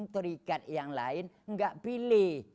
terikat yang lain nggak pilih